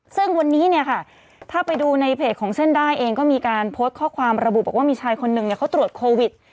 ซึ่งวันนี้เนี่ยค่ะถ้าไปดูในเพจของเส้นได้เองก็มีการโพสต์ข้อความระบุบอกว่ามีชายคนหนึ่งเขาตรวจโควิด